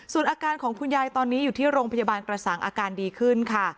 ส่วนอาการของคุณยายตอนนี้อยู่ที่โรงพยาบาลกระสังอาการดีขึ้นค่ะ